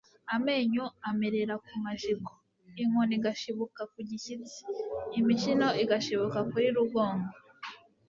amenyo amerera ku majigo, inkoni igashibuka ku gishyitsi, imishino igashibuka kuri rugongo